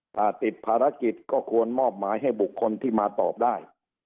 ถ้าติดภารกิจก็ควรมอบหมายให้บุคคลที่มาตอบได้